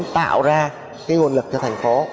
tạo ra cái nguồn lực cho thành phố